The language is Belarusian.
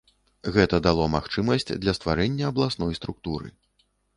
Гэта дало магчымасць для стварэння абласной структуры.